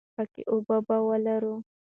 پاکې اوبه به ولرو.